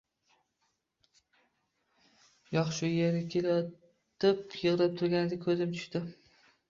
Yo`q, shu erga kelayotib, yig`lab turganiga ko`zim tushdi